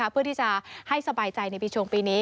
เพื่อที่จะให้สบายใจในปีชงปีนี้